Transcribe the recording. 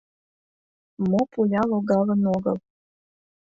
Мо пуля логалын огыл.